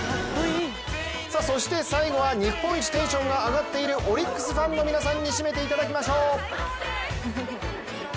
そして、最後は日本一テンションが上がっているオリックスファンの皆さんに締めていただきましょう。